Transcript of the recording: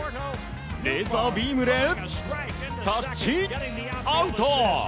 レーザービームでタッチアウト！